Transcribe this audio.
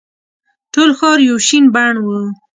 ټول ښار یو شین بڼ وو.